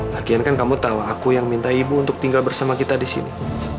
bagian kan kamu tahu aku yang minta ibu untuk tinggal bersama kita di sini